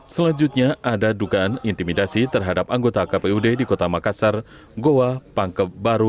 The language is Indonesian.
selanjutnya ada dugaan intimidasi terhadap anggota kpud di kota makassar goa pangkep baru